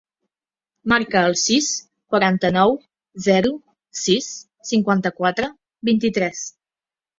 Marca el sis, quaranta-nou, zero, sis, cinquanta-quatre, vint-i-tres.